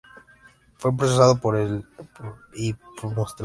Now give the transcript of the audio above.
Fue procesado por esto, y multado.